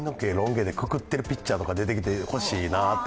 毛でくくってるピッチャーとか出てきてほしいな。